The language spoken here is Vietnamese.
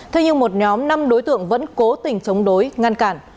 thế nhưng một nhóm năm đối tượng vẫn cố tình chống đối ngăn cản